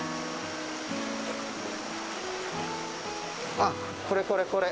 あっ、これこれこれ。